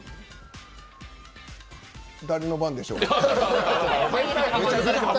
誰の番でしょう？